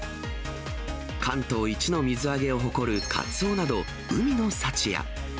関東一の水揚げを誇るカツオなど、海の幸や。